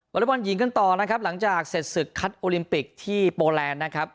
อเล็กบอลหญิงกันต่อนะครับหลังจากเสร็จศึกคัดโอลิมปิกที่โปแลนด์นะครับ